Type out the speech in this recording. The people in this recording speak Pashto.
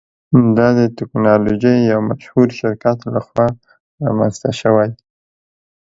دا د ټیکنالوژۍ یو مشهور شرکت لخوا رامینځته شوی.